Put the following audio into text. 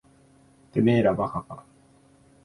てめえら馬鹿か。